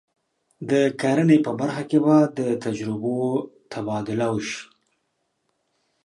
د کرنې په برخه کې د تجربو تبادله به وشي.